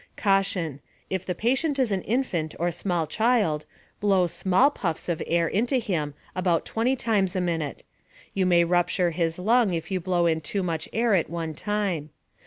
Caution: If the patient is an infant or small child, blow small puffs of air into him about 20 times a minute. You may rupture his lung if you blow in too much air at one time.